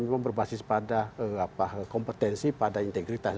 memang berbasis pada kompetensi pada integritas